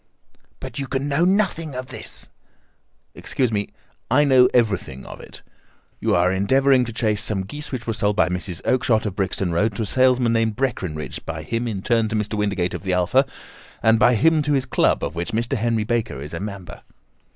"But you can know nothing of this?" "Excuse me, I know everything of it. You are endeavouring to trace some geese which were sold by Mrs. Oakshott, of Brixton Road, to a salesman named Breckinridge, by him in turn to Mr. Windigate, of the Alpha, and by him to his club, of which Mr. Henry Baker is a member."